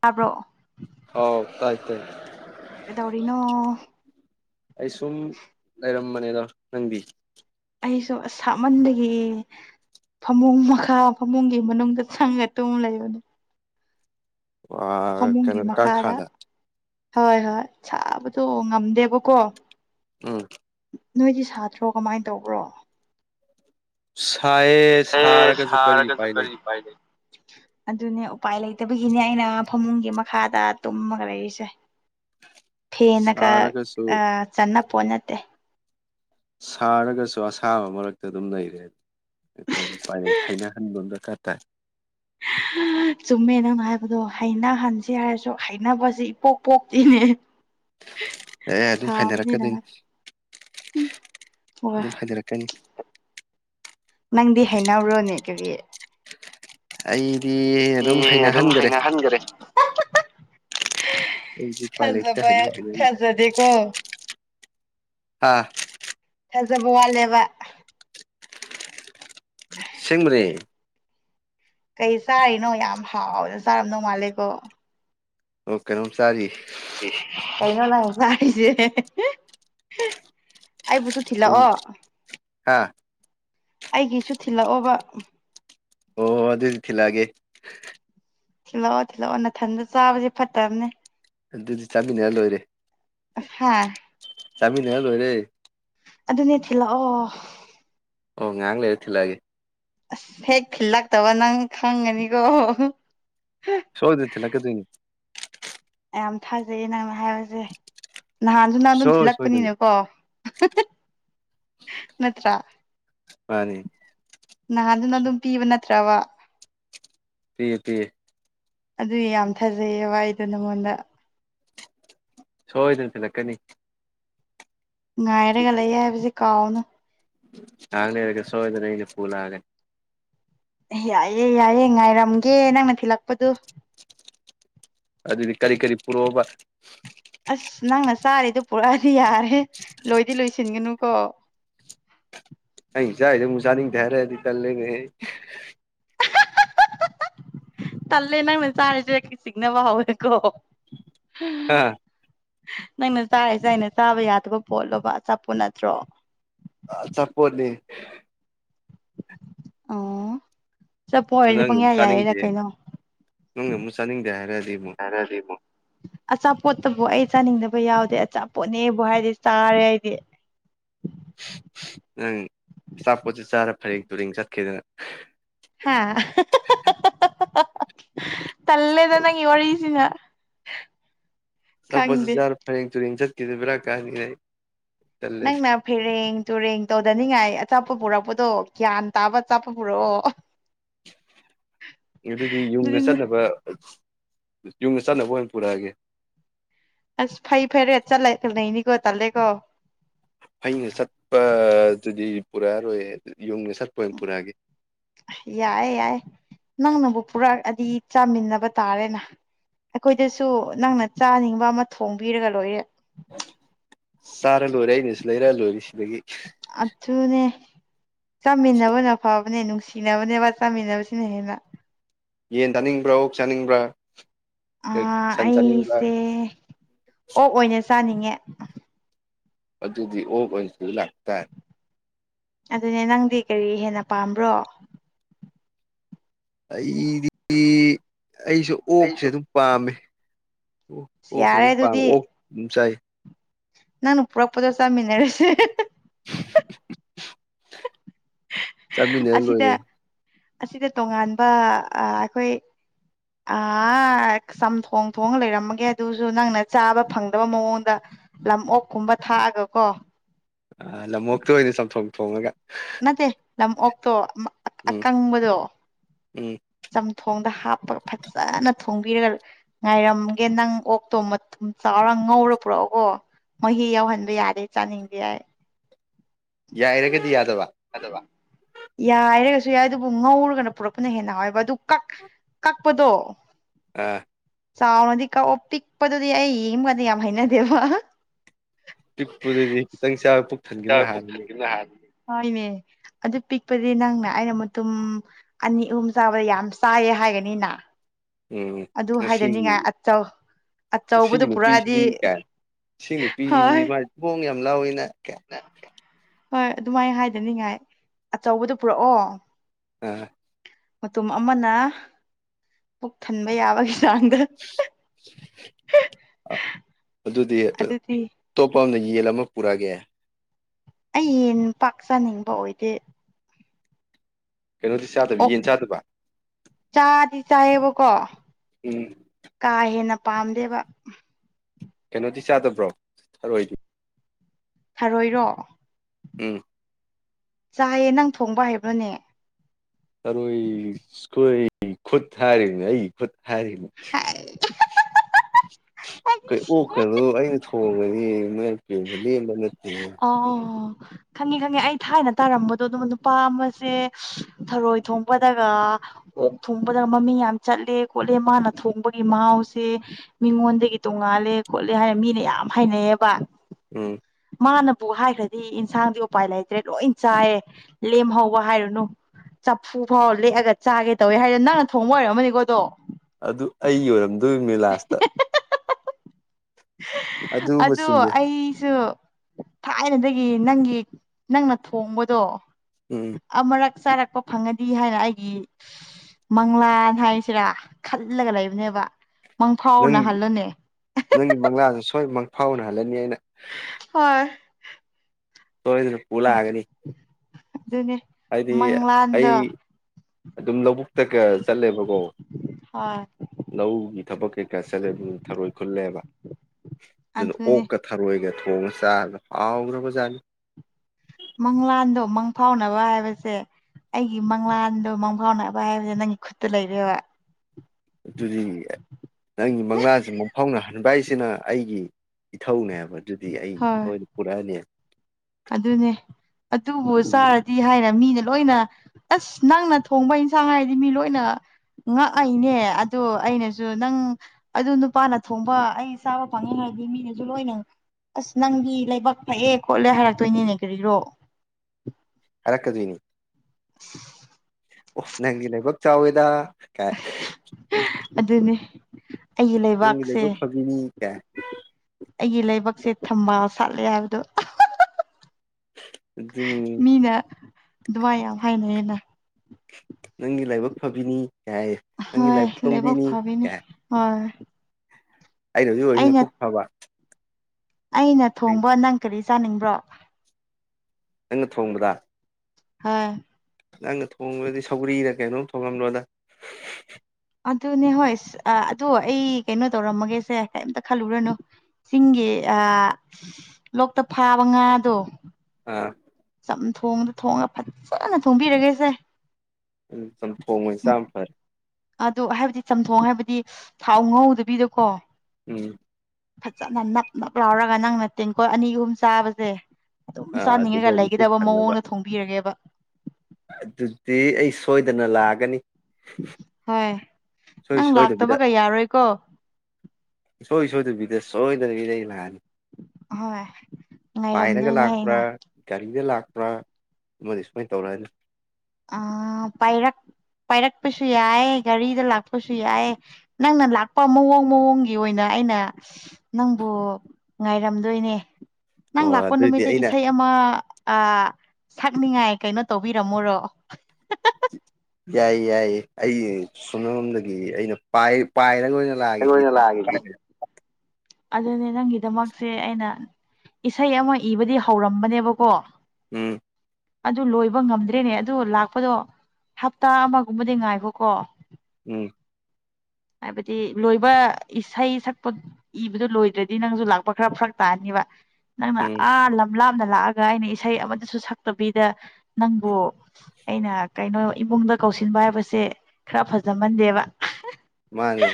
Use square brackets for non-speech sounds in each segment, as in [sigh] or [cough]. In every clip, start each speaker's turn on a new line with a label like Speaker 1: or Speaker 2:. Speaker 1: ꯇꯥꯕ꯭ꯔꯣ
Speaker 2: ꯍꯥꯎ ꯇꯥꯏ ꯇꯥꯏ
Speaker 1: ꯑꯗꯧꯔꯤꯅꯣ
Speaker 2: ꯑꯩ ꯁꯨꯝ ꯂꯩꯔꯝꯕꯅꯦꯗꯥ ꯅꯪꯗꯤ
Speaker 1: ꯑꯩꯁꯨ ꯑꯁ ꯁꯃꯟꯗꯒꯤ ꯐꯃꯨꯡ ꯃꯈꯥ ꯐꯃꯨꯡꯒꯤ ꯃꯅꯨꯡꯗ ꯆꯪꯉ ꯇꯨꯝ ꯂꯩꯕꯅꯤ
Speaker 2: ꯋꯥ
Speaker 1: ꯐꯃꯨꯡꯒꯤ
Speaker 2: ꯀꯩꯅꯣ
Speaker 1: ꯃꯈꯥꯗ
Speaker 2: ꯀꯥꯡꯈꯥꯗ
Speaker 1: ꯍꯣꯏ ꯍꯣꯏ ꯁꯥꯕꯗꯣ ꯉꯝꯗꯦꯕꯀꯣ
Speaker 2: ꯎꯝ
Speaker 1: ꯅꯣꯏꯗꯤ ꯁꯥꯇ꯭ꯔꯣ ꯀꯃꯥꯏ ꯇꯧꯕ꯭ꯔꯣ
Speaker 2: ꯁꯥꯏꯌꯦ
Speaker 1: ꯑꯦ ꯁꯔꯒꯖꯨ ꯀꯔꯤ ꯎꯄꯥꯏ ꯂꯩ ꯑꯗꯨꯅꯦ ꯎꯄꯥꯏ ꯂꯩꯇꯕꯒꯤꯅꯦ ꯑꯩꯅ ꯐꯃꯨꯡꯒꯤ ꯃꯈꯥꯗ ꯇꯨꯝꯃꯒ ꯂꯩꯔꯤꯁꯦ
Speaker 2: [inaudible]
Speaker 1: ꯐꯦꯟꯅꯒ
Speaker 2: ꯁꯥꯔꯒꯁꯨ
Speaker 1: ꯑ ꯆꯟꯅ ꯄꯣꯠ ꯅꯠꯇꯦ
Speaker 2: ꯁꯥꯔꯒꯁꯨ ꯑꯁꯥꯕ ꯃꯔꯛꯇ ꯑꯗꯨꯝ ꯂꯩꯔꯦ ꯀꯩꯗꯤ ꯎꯄꯥꯢ ꯂꯩ ꯍꯩꯅꯍꯟꯕ ꯑꯝ ꯗꯔꯀꯥꯔ ꯇꯥꯏ [inaudible]
Speaker 1: ꯆꯨꯝꯃꯦ ꯅꯪꯅ ꯍꯥꯏꯕꯗꯣ ꯍꯩꯅꯍꯟꯁꯦ ꯍꯥꯏꯔꯁꯨ ꯍꯩꯅꯕꯁꯦ ꯏꯄꯣꯛ ꯄꯣꯛꯇꯦꯅꯦ
Speaker 2: [inaudible] ꯑꯦ ꯑꯗꯨꯝ
Speaker 1: ꯁꯥꯕꯅꯤꯅ
Speaker 2: ꯍꯥꯏꯅꯔꯛꯀꯗꯣꯏꯅꯤ
Speaker 1: ꯎꯝ ꯍꯣꯏ
Speaker 2: ꯑꯗꯨꯝ ꯍꯥꯏꯅꯔꯛꯀꯅꯤ
Speaker 1: ꯅꯪꯗꯤ ꯍꯩꯅꯕꯔꯣꯅꯦ ꯀꯔꯤ
Speaker 2: ꯑꯩꯗꯤ ꯑꯗꯨꯝ ꯍꯩꯅꯍꯟꯒꯔ꯭ꯦ
Speaker 1: ꯈꯪꯒꯔꯦ
Speaker 2: ꯑꯩꯗꯤ ꯎꯄꯥꯏ ꯂꯩꯇꯦ
Speaker 1: ꯊꯥꯖꯕ
Speaker 2: ꯍꯩꯅꯤ ꯍꯩꯅꯅꯤ
Speaker 1: ꯊꯥꯖꯗꯦꯀꯣ
Speaker 2: ꯍꯥ
Speaker 1: ꯊꯖꯕ ꯋꯥꯠꯂꯦꯕ
Speaker 2: ꯁꯦꯡꯕꯅꯦ
Speaker 1: ꯀꯩ ꯆꯥꯔꯤꯅꯣ ꯌꯥꯝ ꯍꯥꯎꯅ ꯆꯥꯔꯝꯗꯧ ꯃꯥꯜꯂꯦꯀꯣ
Speaker 2: ꯑꯣ ꯀꯩꯅꯣꯝ ꯆꯥꯔꯤ
Speaker 1: ꯀꯩꯅꯣ ꯅꯪ ꯆꯥꯔꯤꯁꯦ ꯑꯩꯕꯨꯁꯨ
Speaker 2: ꯁꯨꯝ
Speaker 1: ꯊꯤꯜꯂꯛꯑꯣ
Speaker 2: ꯍꯥꯥ
Speaker 1: ꯑꯩꯒꯤꯁꯨ ꯊꯤꯜꯂꯛꯑꯣꯕ
Speaker 2: ꯑꯣ ꯑꯗꯨꯗꯤ ꯊꯤꯜꯂꯛꯑꯒꯦ
Speaker 1: ꯊꯤꯜꯂꯛꯑꯣ ꯊꯤꯜꯂꯛꯑꯣ ꯅꯥꯊꯟꯗ ꯆꯥꯕꯁꯦ ꯐꯠꯇꯕꯅꯦ
Speaker 2: ꯑꯗꯨꯗꯤ ꯆꯥꯃꯤꯟꯅꯔ ꯂꯣꯏꯔꯦ
Speaker 1: ꯑꯁ ꯍꯥꯥꯏ
Speaker 2: ꯆꯥꯃꯤꯟꯅꯔ ꯂꯣꯏꯔꯦ
Speaker 1: ꯑꯗꯨꯅꯦ ꯊꯤꯟꯂꯛꯑꯣ
Speaker 2: ꯑꯣ ꯉꯥꯏꯍꯥꯛ ꯂꯩꯔ ꯊꯤꯟꯂꯛꯑꯒꯦ
Speaker 1: ꯑꯁ ꯍꯦꯛ ꯊꯤꯜꯂꯛꯇꯕ ꯅꯪ ꯈꯪꯒꯅꯤꯀꯣ
Speaker 2: ꯁꯣꯏꯗ ꯊꯤꯟꯂꯛꯀꯗꯣꯏꯅꯤ
Speaker 1: ꯌꯥꯝ ꯊꯥꯖꯩꯌꯦ ꯅꯪꯅ ꯍꯥꯏꯕꯁꯦ ꯅꯍꯥꯟꯁꯨ ꯅꯪ ꯑꯗꯨꯝ
Speaker 2: ꯁꯨꯡꯁꯣꯏ ꯁꯣꯏꯗꯅ
Speaker 1: ꯊꯤꯜꯂꯛꯄꯅꯤꯅꯀꯣ ꯅꯠꯇ꯭ꯔꯥ
Speaker 2: ꯃꯥꯅꯤ
Speaker 1: ꯅꯍꯥꯟꯁꯨ ꯅꯪ ꯑꯗꯨꯝ ꯄꯤꯕ ꯅꯠꯇ꯭ꯔꯕ
Speaker 2: ꯄꯤꯌꯦ ꯄꯤꯌꯦ
Speaker 1: ꯑꯗꯨꯏ ꯌꯥꯝ ꯊꯖꯩꯌꯦꯕ ꯑꯩꯗꯣ ꯅꯉꯣꯟꯗ
Speaker 2: ꯁꯣꯏꯗꯅ ꯊꯤꯟꯂꯛꯀꯅꯤ
Speaker 1: ꯉꯥꯏꯔꯒ ꯂꯩꯌꯦ ꯍꯥꯏꯕꯁꯦ ꯀꯥꯎꯅꯣ
Speaker 2: ꯉꯍꯥꯛ ꯂꯩꯔꯒ ꯁꯣꯏꯗꯅ ꯑꯩꯅ ꯄꯨꯔ ꯂꯥꯛꯑꯅꯤ
Speaker 1: ꯌꯥꯏꯌꯦ ꯌꯥꯏꯌꯦ ꯉꯥꯏꯔꯝꯒꯦ ꯅꯪꯅ ꯊꯤꯜꯂꯛꯄꯗꯨ
Speaker 2: ꯑꯗꯨꯗꯤ ꯀꯔꯤ ꯀꯔꯤ ꯄꯨꯔꯛꯑꯣꯕ
Speaker 1: ꯑꯁ ꯅꯪꯅ ꯆꯥꯔꯤꯗꯣ ꯄꯨꯔꯛꯑꯗꯤ ꯌꯥꯔꯦ ꯂꯣꯏꯗꯤ ꯂꯣꯏꯁꯤꯟꯒꯅꯨ ꯀꯣ
Speaker 2: ꯑꯩꯅ ꯆꯥꯔꯤꯁꯦ ꯑꯃꯨꯛ ꯆꯥꯅꯤꯡꯗꯦ ꯍꯥꯏꯔꯛꯑꯗꯤ ꯇꯟꯂꯦꯅꯦꯍꯦ [inaudible]
Speaker 1: ꯇꯜꯂꯦ ꯅꯪꯅ ꯆꯥꯔꯤꯖꯦ ꯆꯤꯡꯅꯕ ꯍꯥꯎꯔꯦꯀꯣ
Speaker 2: ꯍꯥ
Speaker 1: ꯅꯪꯅ ꯆꯥꯔꯤꯁꯦ ꯑꯩꯅ ꯆꯥꯕ ꯌꯥꯗꯕ ꯄꯣꯠꯂꯣꯕ ꯑꯆꯥꯄꯣꯠ ꯅꯠꯇ꯭ꯔꯣ
Speaker 2: ꯑ ꯑꯆꯥꯄꯣꯠꯅꯦ
Speaker 1: ꯑꯣ ꯑꯆꯥꯄꯣꯠ
Speaker 2: ꯑꯗꯨ
Speaker 1: ꯑꯣꯏꯔꯗꯤ
Speaker 2: ꯅꯪꯅ
Speaker 1: ꯄꯪꯌꯥ
Speaker 2: ꯑꯃꯨꯛ
Speaker 1: ꯌꯥꯥꯏꯌꯦꯗ
Speaker 2: ꯆꯥꯅꯤꯡꯗꯦ
Speaker 1: ꯀꯩꯅꯣ
Speaker 2: ꯅꯪꯅ ꯑꯃꯨꯛ ꯆꯥꯅꯤꯡꯗꯦ ꯍꯥꯏꯔꯛꯑꯗꯤ ꯑꯃꯨꯛ
Speaker 1: ꯑꯆꯥꯄꯣꯠꯇꯕꯨ ꯑꯩ ꯆꯥꯅꯤꯡꯗꯕ ꯌꯥꯎꯗꯦ ꯑꯆꯥꯄꯣꯠꯅꯦꯕꯨ ꯍꯥꯏꯗꯤ ꯆꯥꯔꯦ ꯑꯩꯗꯤ
Speaker 2: ꯅꯪ ꯑꯆꯦꯄꯣꯠꯁꯤ ꯆꯥꯔ ꯐꯔꯦꯡ ꯇꯨꯔꯦꯡ ꯆꯠꯈꯤꯗꯅ
Speaker 1: ꯍꯥ ꯇꯟꯂꯦꯗ ꯅꯪꯒꯤ ꯋꯥꯔꯤꯁꯤꯅ
Speaker 2: ꯑꯆꯥꯄꯣꯠꯁꯤ
Speaker 1: ꯈꯪꯗꯦ
Speaker 2: ꯆꯥꯔ ꯐꯔꯦꯡ ꯇꯨꯔꯦꯡ ꯆꯠꯈꯤꯗꯅ ꯕꯦꯔꯥ ꯀꯥꯅꯤ ꯑꯩ ꯇꯜꯂꯦ
Speaker 1: ꯅꯪꯅ ꯐꯩꯔꯦꯡ ꯇꯨꯔꯦꯡ ꯇꯧꯗꯅꯤꯡꯉꯥꯏ ꯑꯆꯥꯄꯣꯠ ꯄꯨꯔꯛꯄꯗꯣ ꯒ꯭ꯌꯥꯟ ꯇꯥꯕ ꯑꯆꯥꯄꯣꯠ ꯄꯨꯔꯛꯑꯣ
Speaker 2: [inaudible] ꯑꯗꯨꯗꯤ ꯌꯨꯡꯅ
Speaker 1: ꯑꯗꯨꯗꯤ
Speaker 2: ꯆꯠꯅꯕ ꯌꯨꯡꯅ ꯆꯠꯅꯕ ꯑꯣꯏꯅ ꯄꯨꯔꯛꯑꯒꯦ
Speaker 1: ꯑꯁ ꯐꯩ ꯐꯔꯦꯠ ꯆꯠꯂ ꯂꯩꯅꯤꯀꯣ ꯇꯜꯂꯦꯀꯣ
Speaker 2: ꯐꯩꯅ ꯆꯠꯄꯗꯨꯗꯤ ꯄꯨꯔꯛꯑꯔꯣꯏ ꯌꯨꯡꯅ ꯆꯠꯄ ꯑꯣꯏꯅ ꯄꯨꯔꯛꯑꯒꯦ
Speaker 1: ꯌꯥꯏꯑꯦ ꯌꯥꯏ ꯅꯪꯅꯕꯨ ꯄꯨꯔꯛꯑꯗꯤ ꯆꯥꯃꯤꯟꯅꯕ ꯇꯥꯔꯦꯅ ꯑꯩꯈꯣꯏꯗꯁꯨ ꯅꯪꯅ ꯆꯥꯅꯤꯡꯕ ꯑꯃ ꯊꯣꯡꯕꯤꯔꯒ ꯂꯣꯏꯔꯦ
Speaker 2: ꯆꯥꯔ ꯂꯣꯏꯔꯦ ꯑꯩꯅꯁꯨ ꯂꯩꯔꯛꯑ ꯂꯣꯏꯔ ꯁꯤꯗꯒꯤ
Speaker 1: ꯑꯗꯨꯊꯨꯅꯦ ꯆꯥꯃꯤꯟꯅꯕꯅ ꯐꯕꯅꯦ ꯅꯨꯡꯁꯤꯅꯕꯅꯦꯕ ꯆꯥꯃꯤꯟꯅꯕꯁꯤꯅ ꯍꯦꯟꯅ
Speaker 2: ꯌꯦꯟ ꯇꯥꯅꯤꯡꯕ꯭ꯔꯥ ꯑꯣꯛ ꯆꯥꯅꯤꯡꯕ꯭ꯔꯥ
Speaker 1: ꯑꯥ
Speaker 2: ꯁꯟ ꯆꯥꯅꯤꯡꯕ꯭ꯔꯥ
Speaker 1: ꯑꯩꯁꯦ ꯑꯣꯛ ꯑꯣꯏꯅ ꯆꯥꯅꯤꯡꯉꯦ
Speaker 2: ꯑꯗꯨꯗꯤ ꯑꯣꯛ ꯑꯣꯏꯄꯨ ꯂꯥꯛꯇꯥꯔꯦ
Speaker 1: ꯑꯗꯨꯅꯦ ꯅꯪꯗꯤ ꯀꯔꯤ ꯍꯦꯟꯅ ꯄꯥꯝꯕ꯭ꯔꯣ
Speaker 2: ꯑꯩꯗꯤ ꯑꯩꯁꯨ ꯑꯣꯛꯁꯦ
Speaker 1: ꯑꯩꯁꯨ
Speaker 2: ꯑꯗꯨꯝ ꯄꯥꯝꯃꯦ ꯑꯣ ꯑꯣꯛꯁꯦ
Speaker 1: ꯌꯥꯔꯦ
Speaker 2: ꯑꯗꯨꯝ ꯄꯥꯝꯃꯦ
Speaker 1: ꯑꯗꯨꯗꯤ
Speaker 2: ꯑꯣꯛ ꯑꯗꯨꯝ ꯆꯥꯏꯌꯦ
Speaker 1: ꯅꯪ ꯄꯨꯔꯛꯄꯗꯣ ꯆꯃꯤꯟꯅꯔꯁꯦ
Speaker 2: ꯆꯥꯃꯤꯟꯅꯔ
Speaker 1: ꯑꯁꯤꯗ
Speaker 2: ꯂꯣꯏꯔꯦ
Speaker 1: ꯑꯁꯤꯗ ꯇꯣꯉꯥꯟꯕ ꯐꯥ ꯑꯩꯈꯣꯏ ꯑꯥ ꯆꯝꯊꯣꯡ ꯊꯣꯡꯉ ꯂꯩꯔꯝꯃꯒꯦ ꯑꯗꯨꯁꯨ ꯅꯪꯅ ꯆꯥꯕ ꯐꯪꯗꯕ ꯃꯑꯣꯡꯗ ꯂꯝ ꯑꯣꯛꯀꯨꯝꯕ ꯊꯥꯛꯑꯒ ꯀꯣ
Speaker 2: ꯑꯥ ꯂꯝꯑꯣꯛꯇꯣ ꯑꯣꯏꯅ ꯆꯝꯊꯣꯡ ꯊꯣꯡꯉꯒ
Speaker 1: ꯅꯠꯇꯦ ꯂꯝ ꯑꯣꯛꯇꯣ
Speaker 2: ꯎꯝ
Speaker 1: ꯑꯀꯪꯕꯗꯣ
Speaker 2: ꯎꯝ
Speaker 1: ꯆꯝꯊꯣꯡꯗ ꯍꯥꯞꯄꯒ ꯐꯖꯥꯅ ꯊꯣꯡꯕꯤꯔꯒ ꯉꯥꯏꯔꯝꯒꯦ ꯅꯪ ꯑꯣꯛꯇꯣ ꯃꯇꯨꯝ ꯆꯥꯎꯔ ꯉꯧꯔ ꯄꯨꯔꯛꯑꯣꯒꯣ ꯃꯍꯤ ꯌꯥꯎꯍꯟꯕ ꯌꯥꯗꯦ ꯆꯥꯅꯤꯡꯗꯦ ꯑꯩ
Speaker 2: ꯌꯥꯏꯔꯒꯗꯤ ꯌꯥꯗꯕ
Speaker 1: ꯌꯥꯗꯖ ꯌꯥꯏꯔꯒꯁꯨ ꯌꯥꯏ ꯑꯗꯨꯕꯨ ꯉꯧꯔꯒꯅ ꯄꯨꯔꯛꯄꯅ ꯍꯦꯟꯅ ꯍꯥꯎꯋꯦꯕ ꯑꯗꯨ ꯀꯛ ꯀꯛꯄꯗꯣ
Speaker 2: ꯑꯥ
Speaker 1: ꯆꯥꯎꯅꯗꯤ ꯀꯛꯑꯣ ꯄꯤꯛꯄꯗꯨꯗꯤ ꯑꯩ ꯌꯦꯕꯒꯟꯗ ꯌꯥꯝ ꯍꯥꯏꯅꯗꯦꯕ
Speaker 2: ꯄꯤꯛꯄꯨꯗꯗꯤ ꯈꯤꯇꯪ ꯆꯥꯕ ꯄꯨꯛ
Speaker 1: ꯆꯥꯛ
Speaker 2: ꯊꯟꯈꯤꯕꯅ
Speaker 1: ꯄꯨꯛ
Speaker 2: ꯍꯥꯜꯂꯅꯤ
Speaker 1: ꯊꯟꯒꯤꯕꯅ ꯍꯥꯟꯅꯤ ꯍꯣꯏꯅꯦ ꯑꯗꯨ ꯄꯤꯛꯄꯗꯤ ꯅꯪꯅ ꯑꯩꯅ ꯃꯇꯨꯝ ꯑꯅꯤ ꯑꯍꯨꯝ ꯆꯥꯕꯗ ꯌꯥꯝ ꯆꯥꯏꯌꯦ ꯍꯥꯏꯒꯅꯤꯅ
Speaker 2: ꯎꯝ
Speaker 1: ꯑꯗꯨ
Speaker 2: ꯉꯁꯤꯒꯤ
Speaker 1: ꯍꯥꯏꯗꯅꯤꯡꯉꯥꯏ ꯑꯆꯧ
Speaker 2: ꯃꯁꯤꯒꯤ
Speaker 1: ꯑꯆꯧꯕꯗꯨ ꯄꯨꯔꯛꯑꯗꯤ
Speaker 2: ꯅꯨꯄꯤꯁꯤꯗꯤ ꯀꯥꯏ ꯁꯤ ꯅꯨꯄꯤꯖꯤꯗꯤ
Speaker 1: ꯍꯣꯏ
Speaker 2: ꯃꯥ ꯃꯊꯤꯕꯣꯡ ꯌꯥꯝ ꯂꯥꯎꯋꯤꯅ ꯀꯥꯏ
Speaker 1: ꯍꯣꯏ ꯑꯗꯨꯃꯥꯏ ꯍꯥꯏꯗꯅꯤꯡꯉꯥꯏ ꯑꯆꯧꯕꯗꯣ ꯄꯨꯔꯛꯑꯣ
Speaker 2: ꯑꯥ
Speaker 1: ꯃꯇꯨꯝ ꯑꯃꯅ ꯄꯨꯛ ꯊꯟꯕ ꯌꯥꯕꯒꯤ ꯆꯥꯡꯗ
Speaker 2: ꯑꯥ ꯑꯗꯨꯗꯤ
Speaker 1: ꯑꯗꯨꯗꯤ
Speaker 2: ꯑꯇꯣꯞꯄ ꯑꯃꯅ ꯌꯦꯟ ꯑꯃ ꯄꯨꯔꯛꯑꯒꯦ
Speaker 1: ꯑꯩ ꯌꯦꯟ ꯄꯥꯛ ꯆꯅꯤꯡꯕ ꯑꯣꯏꯗꯦ
Speaker 2: ꯀꯩꯅꯣꯗꯤ ꯆꯥꯗꯕ
Speaker 1: ꯑꯣꯛ
Speaker 2: ꯌꯦꯟ ꯆꯥꯗꯕ
Speaker 1: ꯆꯥꯗꯤ ꯆꯥꯏꯌꯦꯕꯀꯣ
Speaker 2: ꯎꯝ
Speaker 1: ꯀꯥ ꯍꯦꯟꯅ ꯄꯥꯝꯗꯦꯕ
Speaker 2: ꯀꯩꯅꯣꯗꯤ ꯆꯥꯗꯕ꯭ꯔꯣ ꯊꯔꯣꯏꯗꯤ
Speaker 1: ꯊꯔꯣꯏꯔꯣ
Speaker 2: ꯎꯝ
Speaker 1: ꯆꯥꯏꯌꯦ ꯅꯪ ꯊꯣꯡꯕ ꯍꯩꯕꯔꯅꯦ
Speaker 2: ꯊꯔꯣꯏ ꯈꯣꯏ ꯈꯨꯠ ꯊꯔꯤꯕꯅꯦ ꯑꯩꯒꯤ ꯈꯨꯠ ꯍꯥꯏꯔꯤꯅꯤ
Speaker 1: ꯍꯥꯏ
Speaker 2: ꯑꯩꯈꯣꯏ
Speaker 1: ꯑꯩ
Speaker 2: ꯑꯣꯛ ꯀꯩꯅꯣ ꯑꯩꯅ ꯊꯣꯡꯒꯅꯤ ꯏꯃꯥꯏꯄꯦꯃ ꯂꯦꯝꯕ ꯅꯦ
Speaker 1: ꯑꯥꯎ ꯈꯪꯉꯤ ꯈꯪꯉꯤ ꯑꯩ ꯊꯥꯏꯅ ꯇꯥꯔꯝꯕꯗꯣ ꯑꯗꯨꯝ ꯅꯨꯄꯥ ꯑꯃꯁꯦ ꯊꯔꯣꯏ ꯊꯣꯡꯕꯗꯒ ꯑꯣꯛ ꯊꯣꯡꯕꯗꯒ ꯃꯃꯤꯡ ꯌꯥꯝ ꯆꯠꯂꯦ ꯈꯣꯠꯂꯦ ꯃꯥꯅ ꯊꯣꯡꯕꯒꯤ ꯃꯍꯥꯎꯁꯦ ꯃꯤꯉꯣꯟꯗꯒꯤ ꯇꯣꯡꯉꯥꯜꯂꯦ ꯈꯣꯠꯂꯦ ꯍꯥꯏꯅ ꯃꯤꯅ ꯌꯥꯝ ꯍꯥꯏꯅꯩꯑꯦꯕ
Speaker 2: ꯎꯝ
Speaker 1: ꯃꯥꯅꯕꯨ ꯍꯥꯏꯈ꯭ꯔꯗꯤ ꯏꯟꯁꯥꯡꯗꯤ ꯎꯄꯥꯏ ꯂꯩꯇ꯭ꯔꯦ ꯂꯣꯏ ꯆꯥꯏꯌꯦ ꯂꯦꯝꯍꯧꯕ ꯍꯥꯏꯔꯨꯅꯨ ꯆꯐꯨ ꯐꯥꯎ ꯂꯦꯛꯑꯒ ꯆꯥꯒꯦ ꯇꯧꯋꯦ ꯍꯥꯏꯗꯣ ꯅꯪꯅ ꯊꯣꯡꯕ ꯑꯣꯏꯔꯝꯃꯅꯤꯀꯣ ꯑꯗꯣ
Speaker 2: ꯑꯗꯨ ꯑꯩ ꯑꯣꯏꯔꯝꯗꯣꯏꯅꯤ ꯂꯥꯁꯇ ꯑꯗꯨꯃ
Speaker 1: ꯑꯗꯨ
Speaker 2: ꯆꯨꯝꯃꯦ
Speaker 1: ꯑꯩꯁꯨ ꯊꯥꯏꯅꯗꯒꯤ ꯅꯪꯒꯤ ꯅꯪꯅ ꯊꯣꯡꯕꯗꯣ
Speaker 2: ꯎꯝ
Speaker 1: ꯑꯃꯨꯔꯛ ꯆꯥꯔꯛꯄ ꯐꯪꯉꯗꯤ ꯍꯥꯏꯅ ꯑꯩꯒꯤ ꯃꯪꯂꯥꯟ ꯍꯥꯏꯁꯤꯔꯥ ꯈꯜꯂꯒ ꯂꯩꯕꯅꯦꯕ
Speaker 2: ꯅꯪ
Speaker 1: ꯃꯪꯐꯥꯎꯅ ꯍꯜꯂꯣꯅꯦ
Speaker 2: ꯅꯪꯒꯤ ꯃꯪꯂꯥꯜꯗꯣ ꯁꯣꯏꯗꯅ ꯃꯪꯐꯥꯎꯅ ꯍꯜꯂꯅꯤ ꯑꯩꯅ
Speaker 1: ꯍꯣꯏ
Speaker 2: ꯁꯣꯏꯗꯅ ꯄꯨ
Speaker 1: ꯎꯝ
Speaker 2: ꯂꯥꯛꯑꯒꯅꯤ
Speaker 1: ꯑꯗꯨꯅꯦ
Speaker 2: ꯍꯥꯏꯗꯤ
Speaker 1: ꯃꯪꯂꯥꯟꯗꯣ
Speaker 2: ꯑꯩ ꯑꯗꯨꯝ ꯂꯧꯕꯨꯛꯇꯒ ꯆꯠꯂꯦꯕꯀꯣ
Speaker 1: ꯍꯣꯏ
Speaker 2: ꯂꯧꯒꯤ ꯊꯕꯛ ꯀꯩꯀꯥ ꯆꯠꯂꯦꯕ ꯑꯗꯨ ꯊꯔꯣꯏ ꯈꯨꯜꯂꯦꯕ ꯑꯗꯨꯅ
Speaker 1: ꯑꯗꯨꯅꯦ
Speaker 2: ꯑꯣꯛꯀ ꯊꯔꯣꯏꯒ ꯊꯣꯡꯉ ꯆꯥꯕꯗꯣ ꯍꯥꯎꯈ꯭ꯔꯕꯖꯥꯠꯅꯤ
Speaker 1: ꯃꯪꯂꯥꯟꯗꯣ ꯃꯪꯐꯥꯎꯅꯕ ꯍꯥꯏꯕꯁꯦ ꯑꯩꯒꯤ ꯃꯪꯂꯥꯟꯗꯣ ꯃꯪꯐꯥꯎ ꯅꯕ ꯍꯥꯏꯕꯁꯦ ꯅꯪꯒꯤ ꯈꯨꯠꯇ ꯂꯩꯔꯦꯕ
Speaker 2: ꯑꯗꯨꯗꯤ ꯅꯪꯒꯤ ꯃꯪꯂꯥꯥꯜꯁꯦ ꯃꯪꯐꯥꯎꯅ ꯍꯟ ꯍꯟꯕꯥꯏꯁꯤꯅ ꯑꯩꯒꯤ ꯏꯊꯧꯅꯦꯕ ꯑꯗꯨꯗꯤ ꯑꯩ
Speaker 1: ꯍꯣꯏ
Speaker 2: ꯁꯣꯏꯗꯅ ꯄꯨꯔꯛꯑꯅꯤ
Speaker 1: ꯑꯗꯨꯅꯦ ꯑꯗꯨꯕꯨ
Speaker 2: ꯑꯗꯨꯗꯤ
Speaker 1: ꯆꯥꯔ ꯗꯤ ꯍꯥꯏꯅ ꯃꯤꯅ ꯂꯣꯏꯅ ꯑꯁ ꯅꯪꯅ ꯊꯣꯡꯕ ꯏꯟꯁꯥꯡ ꯍꯥꯏꯔꯗꯤ ꯃꯤ ꯂꯣꯏꯅ ꯉꯛꯏꯅꯦ ꯑꯗꯣ ꯑꯩꯅꯁꯨ ꯅꯪ ꯑꯗꯨ ꯅꯨꯄꯥꯅ ꯊꯣꯡꯕ ꯑꯩ ꯆꯥꯕ ꯐꯪꯉꯦ ꯍꯥꯏꯔꯗꯤ ꯃꯤꯅꯁꯨ ꯂꯣꯏꯅ ꯑꯁ ꯅꯪꯗꯤ ꯂꯩꯥꯏꯕꯛ ꯐꯩꯑꯦ ꯈꯣꯠꯂꯦ ꯍꯥꯏꯔꯛꯇꯣꯏꯅꯤꯅꯦ ꯀꯔꯤꯔꯣ
Speaker 2: ꯍꯥꯏꯔꯛꯀꯗꯣꯏꯅꯤ
Speaker 1: ꯑꯁ
Speaker 2: ꯎꯐ ꯅꯪꯗꯤ ꯂꯥꯏꯕꯛ ꯆꯥꯎꯋꯦꯗ ꯀꯥꯏ
Speaker 1: ꯑꯗꯨꯅꯤ ꯑꯩꯒꯤ
Speaker 2: ꯅꯪꯒꯤ
Speaker 1: ꯂꯩꯕꯥꯛꯁꯦ
Speaker 2: ꯂꯥꯏꯕꯛ ꯐꯕꯤꯅꯤ ꯀꯥꯏ
Speaker 1: ꯑꯩꯒꯤ ꯂꯥꯏꯕꯛꯁꯦ ꯊꯝꯕꯥꯜ ꯁꯥꯠꯂꯦ ꯍꯥꯏꯕꯗꯣ
Speaker 2: ꯑꯗꯨꯅꯦ
Speaker 1: ꯃꯤꯅ ꯑꯗꯨꯃꯥꯏ ꯌꯥꯝ ꯍꯥꯏꯅꯩꯌꯦꯅ
Speaker 2: ꯅꯪꯗꯤ ꯂꯥꯏꯕꯛ ꯐꯕꯤꯅꯤ ꯀꯥꯏꯌꯦ
Speaker 1: ꯍꯣꯏ ꯂꯩꯕꯛ ꯐꯥꯕꯤꯅꯤ ꯍꯣꯏ
Speaker 2: ꯑꯩꯅ ꯍꯧꯖꯤꯛ ꯑꯣꯏꯔꯤꯁꯤꯅ ꯄꯨꯛ ꯐꯕ
Speaker 1: ꯑꯩꯅ ꯊꯣꯡꯕ ꯅꯪ ꯀꯔꯤ ꯆꯥꯅꯤꯡꯕ꯭ꯔꯣ
Speaker 2: ꯅꯪꯪꯅ ꯊꯣꯡꯕꯗ
Speaker 1: ꯍꯣꯏ
Speaker 2: ꯅꯪꯅ ꯊꯣꯡꯔꯗꯤ ꯁꯧꯒ꯭ꯔꯤꯔ ꯀꯩꯅꯣꯝ ꯊꯣꯡꯉꯝꯂꯣꯗ
Speaker 1: ꯑꯗꯨꯅꯦ ꯍꯣꯏ ꯑ ꯑꯗꯣ ꯑꯩ ꯀꯩꯅꯣ ꯇꯧꯔꯝꯃꯒꯦꯁꯦ ꯀꯩꯝꯇ ꯈꯜꯂꯨꯔꯅꯨ ꯆꯤꯡꯒꯤ ꯑ ꯂꯣꯛꯇ ꯐꯥꯕ ꯉꯥꯗꯣ
Speaker 2: ꯑꯥ
Speaker 1: ꯆꯝ ꯊꯣꯡꯗꯣ ꯊꯣꯡꯉꯒ ꯐꯖꯅ ꯊꯣꯡꯕꯤꯔꯒꯦꯁꯦ
Speaker 2: ꯎꯝ ꯆꯝ ꯊꯣꯡ ꯑꯣꯏꯅ ꯆꯥꯝ ꯐꯔꯦ
Speaker 1: ꯑꯗꯨ ꯍꯥꯏꯕꯗꯤ ꯆꯝꯊꯣꯡ ꯍꯥꯏꯕꯗꯤ ꯊꯥꯎ ꯉꯧꯗꯕꯤꯗꯀꯣ
Speaker 2: ꯎꯝ
Speaker 1: ꯐꯖꯅ ꯅꯞ ꯅꯞ ꯂꯥꯎꯔꯒ ꯅꯪꯅ ꯇꯦꯡꯀꯣꯠ ꯑꯅꯤ ꯑꯍꯨꯝ ꯆꯥꯕꯖꯦ ꯑꯗꯨꯝ
Speaker 2: ꯑꯥ ꯑꯗꯨꯗ
Speaker 1: ꯆꯥꯅꯤꯡꯉꯒ
Speaker 2: ꯑꯗꯨꯝ ꯄꯨꯛ
Speaker 1: ꯂꯩꯒꯗꯕ
Speaker 2: ꯊꯟꯅꯕ
Speaker 1: ꯃꯑꯣꯡꯗ ꯊꯣꯡꯕꯤꯔꯒꯦꯕ
Speaker 2: ꯑꯗꯨꯗꯤ ꯑꯩ ꯁꯣꯏꯗꯅ ꯂꯥꯛꯑꯒꯅꯤ
Speaker 1: ꯍꯣꯏ
Speaker 2: ꯏꯁꯣꯏ
Speaker 1: ꯅꯪ
Speaker 2: ꯁꯣꯏꯗꯕꯤꯗ
Speaker 1: ꯂꯥꯛꯇꯕꯒ ꯌꯥꯔꯣꯏꯀꯣ
Speaker 2: ꯁꯨꯡꯁꯣꯏ ꯁꯣꯏꯗꯕꯤꯗ ꯁꯣꯏꯗꯕꯤꯗ ꯑꯩ ꯂꯥꯛꯑꯅꯤ
Speaker 1: ꯍꯣꯏ
Speaker 2: ꯄꯥꯏꯔꯒ
Speaker 1: ꯉꯥꯏꯔꯝꯗꯣꯏꯅꯦ
Speaker 2: ꯂꯥꯛꯄ꯭ꯔꯥ
Speaker 1: ꯑꯩꯅ
Speaker 2: ꯒꯥꯔꯤꯗ ꯂꯥꯛꯄ꯭ꯔꯥ ꯑꯃꯗꯤ ꯁꯣꯏꯅ ꯇꯧꯔꯛꯑꯅꯤ
Speaker 1: ꯑ ꯄꯥꯏꯔꯛ ꯄꯥꯏꯔꯛꯄꯁꯨ ꯌꯥꯏ ꯒꯥꯔꯤꯗ ꯂꯥꯛꯄꯁꯨ ꯌꯥꯏ ꯅꯪꯅ ꯂꯥꯛꯄ ꯃꯑꯣꯡ ꯃꯑꯣꯡꯒꯤ ꯑꯣꯏꯅ ꯑꯩꯅ ꯅꯪꯕꯨ ꯉꯥꯏꯔꯝꯗꯣꯏꯅꯦ ꯅꯪ
Speaker 2: ꯑꯣ
Speaker 1: ꯂꯥꯛꯄ
Speaker 2: ꯑꯗꯨꯏꯗꯤ
Speaker 1: ꯅꯨꯃꯤꯠꯇ
Speaker 2: ꯑꯩꯅ
Speaker 1: ꯏꯁꯩ ꯑꯃ ꯑ ꯁꯛꯅꯤꯡꯉꯥꯏ ꯀꯩꯅꯣ ꯇꯧꯕꯤꯔꯝꯃꯣꯔꯣ
Speaker 2: ꯌꯥꯏ ꯌꯥꯏꯌꯦ ꯑꯩ ꯁꯣꯝꯅꯔꯣꯝꯗꯒꯤ ꯑꯩꯅ ꯄꯥꯏ ꯄꯥꯏꯔꯒꯑꯣꯏꯅ ꯂꯥꯛꯑꯒꯦ
Speaker 1: ꯑꯩꯉꯣꯟꯗ ꯂꯥꯛꯑꯒꯦ
Speaker 2: [unintelligible]
Speaker 1: ꯑꯗꯨꯅꯦ ꯅꯪꯒꯤꯗꯃꯛꯁꯦ ꯑꯩꯅ ꯏꯁꯩ ꯑꯃ ꯏꯕꯗꯤ ꯍꯧꯔꯝꯕꯅꯦꯕꯀꯣ
Speaker 2: ꯎꯝ
Speaker 1: ꯑꯗꯨ ꯂꯣꯏꯕ ꯉꯝꯗ꯭ꯔꯦꯅꯦ ꯑꯗꯨ ꯂꯥꯛꯄꯗꯣ ꯍꯞꯇꯥ ꯑꯃꯒꯨꯝꯕꯗꯤ ꯉꯥꯏꯒꯣꯀꯣ
Speaker 2: ꯎꯝ
Speaker 1: ꯍꯥꯏꯕꯗꯤ ꯂꯣꯏꯕ ꯏꯁꯩ ꯁꯛꯄ ꯏꯕꯗꯨ ꯂꯣꯏꯗ꯭ꯔꯗꯤ ꯅꯪꯁꯨ ꯂꯥꯛꯄ ꯈꯔ ꯐꯔꯛ ꯇꯥꯅꯤꯕ ꯅꯪꯅ
Speaker 2: ꯎꯝ
Speaker 1: ꯑꯥ ꯂꯥꯞꯅ ꯂꯥꯛꯑꯒ ꯑꯩꯅ ꯏꯁꯩ ꯑꯃꯇꯁꯨ ꯁꯛꯇꯕꯤꯗ ꯅꯪꯕꯨ ꯑꯩꯅ ꯀꯩꯅꯣ ꯏꯃꯨꯡꯗ ꯀꯧꯁꯤꯟꯕ ꯍꯥꯏꯕꯁꯦ ꯈꯔ ꯐꯖꯃꯟꯗꯦꯕ
Speaker 2: ꯃꯥꯅꯦ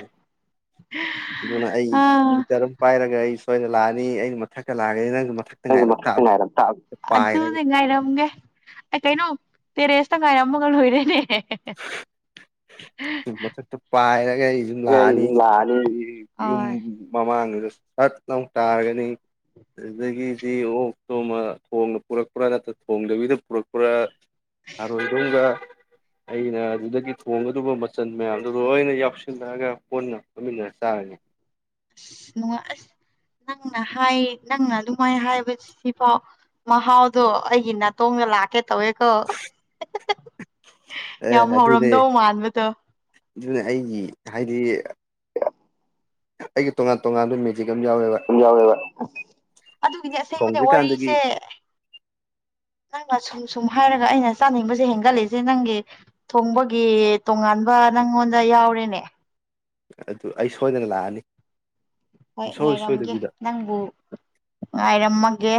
Speaker 2: ꯑꯗꯨꯅ ꯑꯩ
Speaker 1: ꯑꯥ
Speaker 2: ꯒꯤꯇꯥꯔ ꯑꯃ ꯄꯥꯏꯔꯒ ꯑꯩ ꯁꯣꯏꯅ ꯂꯥꯛꯑꯅꯤ ꯑꯩꯅ ꯃꯊꯛꯇ ꯂꯥꯛꯑꯒꯅꯤ ꯅꯪꯁꯨ ꯃꯊꯛ
Speaker 1: ꯥꯅꯪꯖꯨ ꯃꯊꯛꯇ ꯉꯥꯏꯔꯝꯇꯥꯕ ꯑꯗꯨꯅꯦ ꯉꯥꯏꯔꯝꯒꯦ ꯑꯦ ꯀꯩꯅꯣ ꯇꯦꯔꯦꯁꯇ ꯉꯥꯏꯔꯝꯃꯒ ꯂꯣꯏꯔꯦꯅꯦ
Speaker 2: ꯃꯊꯛꯇ ꯄꯥꯏꯔꯒ ꯑꯩꯖꯨ
Speaker 1: ꯑꯩ
Speaker 2: ꯂꯥꯛꯑꯅꯤ
Speaker 1: ꯑꯗꯨꯝ ꯂꯥꯛꯑꯅꯤ
Speaker 2: ꯑꯗꯨꯗꯒꯤꯗꯤ ꯌꯨꯝ
Speaker 1: ꯍꯣꯏ
Speaker 2: ꯃꯃꯥꯡꯗꯨꯗ ꯁꯠ ꯂꯥꯎꯅ ꯇꯥꯔꯒꯅꯤ ꯑꯗꯨꯗꯒꯤꯗꯤ ꯑꯣꯛ ꯇꯣ ꯑꯃ ꯊꯣꯡꯅ ꯄꯨꯔꯛꯄ꯭ꯔꯥ ꯅꯠꯇ꯭ꯔ ꯊꯣꯡꯗꯕꯤꯗ ꯄꯨꯔꯛꯄ꯭ꯔꯥ [unintelligible] ꯑꯩꯅ ꯑꯗꯨꯗꯒꯤ ꯊꯣꯡꯒꯗꯕ ꯃꯆꯜ ꯃꯌꯥꯝꯗꯨ ꯂꯣꯏꯅ ꯌꯥꯎꯁꯜꯂꯛꯑꯒ ꯍꯣꯟꯅ ꯐꯝꯃꯤꯟꯅꯔ ꯆꯥꯔꯅꯤ
Speaker 1: ꯑꯁ ꯅꯨꯡꯉꯥꯏ ꯑꯁ ꯅꯪꯅ ꯍꯥꯏ ꯅꯪꯅ ꯑꯗꯨꯃꯥꯏ ꯍꯥꯏꯕꯖꯤꯐꯥꯎ ꯃꯍꯥꯎꯗꯣ ꯑꯩꯒꯤ ꯅꯥꯇꯣꯟꯗ ꯂꯥꯛꯀꯦ ꯇꯧꯋꯦꯀꯣ
Speaker 2: ꯑꯦ
Speaker 1: ꯌꯥꯝ
Speaker 2: ꯑꯗꯨꯅꯦ
Speaker 1: ꯍꯧꯔꯝꯗꯧ ꯃꯥꯟꯕꯗꯣ
Speaker 2: ꯑꯗꯨꯅꯦ ꯑꯩꯒꯤ ꯍꯥꯏꯗꯤ ꯑꯩꯒꯤ ꯇꯣꯉꯥꯟ ꯇꯣꯉꯥꯟꯕ ꯃꯦꯖꯤꯛ ꯑꯃ ꯌꯥꯎꯋꯦꯕ
Speaker 1: ꯌꯥꯎꯋꯦꯕ ꯑꯗꯨꯒꯤꯗꯤ ꯑꯁꯦꯡꯕꯅꯦ
Speaker 2: ꯊꯣꯡꯗ꯭ꯔꯤꯀꯥꯟꯗꯒꯤ
Speaker 1: ꯋꯥꯔꯤꯁꯦ
Speaker 2: [inaudible]
Speaker 1: ꯅꯪꯅ ꯁꯨꯝ ꯁꯨꯝ ꯍꯥꯏꯔꯒ ꯑꯩꯅ ꯆꯥꯅꯤꯡꯕꯁꯦ ꯍꯦꯟꯒꯠꯂꯤꯁꯦ ꯅꯪꯒꯤ ꯊꯣꯡꯕꯒꯤ ꯇꯣꯉꯥꯟꯕ ꯅꯪꯉꯣꯟꯗ ꯌꯥꯎꯔꯦꯅꯦ꯫
Speaker 2: ꯑꯗꯨ ꯑꯩ ꯁꯣꯏꯗꯅ ꯂꯥꯛꯑꯅꯤ꯫
Speaker 1: ꯍꯣꯏ
Speaker 2: ꯁꯨꯡꯁꯣꯏ
Speaker 1: ꯉꯥꯏꯔꯝꯒꯦ
Speaker 2: ꯁꯣꯏꯗꯕꯤꯗ
Speaker 1: ꯅꯪꯕꯨ ꯉꯥꯏꯔꯝꯃꯒꯦ꯫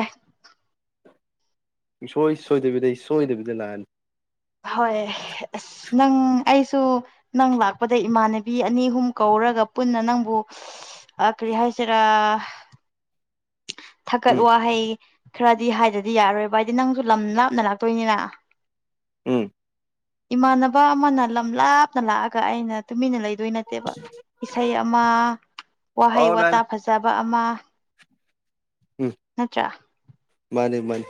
Speaker 2: ꯁꯨꯡꯁꯣꯏ ꯁꯣꯏꯗꯕꯤꯗ ꯑꯩ ꯁꯣꯏꯗꯕꯤꯗ ꯂꯥꯛꯑꯅꯤ꯫
Speaker 1: ꯍꯣꯏ ꯑꯁ ꯅꯪ ꯑꯩꯁꯨ ꯅꯪ ꯂꯥꯛꯄꯗ ꯏꯃꯥꯟꯅꯕꯤ ꯑꯅꯤ ꯑꯍꯨꯝ ꯀꯧꯔꯒ ꯄꯨꯟꯅ ꯅꯪꯕꯨ ꯑ ꯀꯔꯤ ꯍꯥꯏꯁꯤꯔꯥ ꯊꯥꯀꯠ
Speaker 2: ꯎꯝ
Speaker 1: ꯋꯥꯍꯩ ꯈꯔꯗꯤ ꯍꯥꯏꯗꯗꯤ ꯌꯥꯔꯣꯏ ꯚ ꯍꯥꯏꯗꯤ ꯅꯪꯁꯨ ꯂꯝ ꯂꯥꯞꯅ ꯂꯥꯛꯇꯣꯏꯅꯤꯅ
Speaker 2: ꯎꯝ
Speaker 1: ꯏꯃꯥꯟꯅꯕ ꯑꯃꯅ ꯂꯝ ꯂꯥꯞꯅ ꯂꯥꯛꯑꯒ ꯑꯩꯅ ꯇꯨꯃꯤꯟꯅ ꯂꯩꯗꯣꯏ ꯅ ꯅꯦꯕ ꯏꯁꯩ ꯑꯃ ꯋꯥꯍꯩ
Speaker 2: ꯑꯣ
Speaker 1: ꯋꯥꯇꯥ
Speaker 2: ꯂꯥꯛꯑꯦ
Speaker 1: ꯐꯖꯕ ꯑꯃ
Speaker 2: ꯎꯝ
Speaker 1: ꯅꯠꯇ꯭ꯔꯥ
Speaker 2: ꯃꯥꯅꯦꯃꯥꯅꯦ